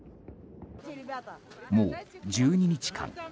もう１２日間